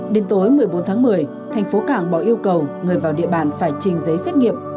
đến tối một mươi bốn tháng một mươi thành phố cảng bỏ yêu cầu người vào địa bàn phải trình giấy xét nghiệm